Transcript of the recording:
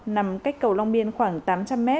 nằm cách cầu long biên khoảng tám trăm linh m